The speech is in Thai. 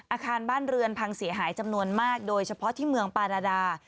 อาคารบ้านเรือนพังเสียหายจำนวนมากโดยเฉพาะที่เมืองปาราดา